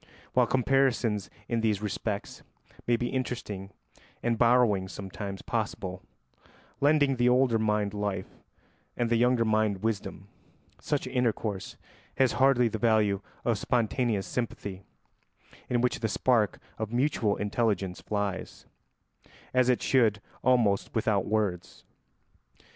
While comparisons in these respects may be interesting and borrowings sometimes possible, lending the older mind life and the younger mind wisdom, such intercourse has hardly the value of spontaneous sympathy, in which the spark of mutual intelligence flies, as it should, almost without words.